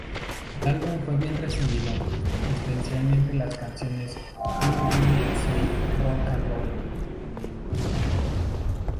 El álbum fue bien recibido, especialmente las canciones "Who Will Save Rock 'n' Roll?